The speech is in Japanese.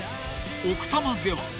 ［奥多摩では］